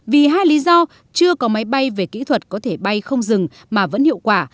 vì hai lý do chưa có máy bay về kỹ thuật có thể bay không dừng mà vẫn hiệu quả